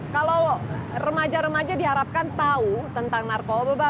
kalau remaja remaja diharapkan tahu tentang narkoba pak